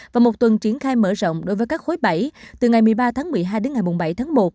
và một tuần triển khai mở rộng đối với các khối bảy từ ngày một mươi ba tháng một mươi hai đến ngày bảy tháng một